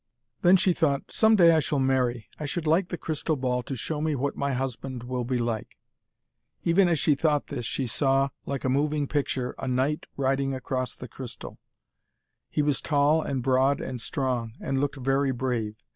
Then she thought, 'Some day I shall marry. I should like the crystal ball to show me what my husband will be like.' Even as she thought this, she saw, like a moving picture, a knight riding across the crystal. He was tall and broad and strong, and looked very brave.